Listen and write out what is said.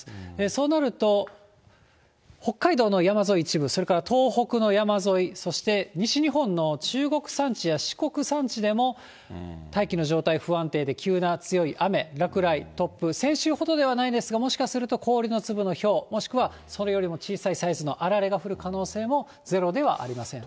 そうなると、北海道の山沿い、一部、それから東北の山沿い、そして西日本の中国山地や四国山地でも大気の状態不安定で、急な強い雨、落雷、突風、先週ほどではないですが、もしかすると氷の粒のひょう、もしくはそれよりも小さいサイズのあられが降る可能性もゼロではありません。